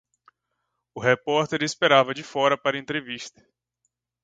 O repórter esperava de fora para a entrevista.